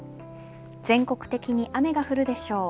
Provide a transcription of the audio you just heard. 全国的に雨が降るでしょう。